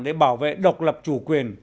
để bảo vệ độc lập chủ quyền